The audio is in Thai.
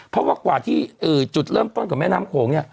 เพราะว่ากว่าที่จุดเริ่มต้นของแม่น้ำโขงเนี่ย